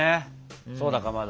そうだかまど。